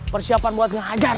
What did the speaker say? persiapan buat ngajar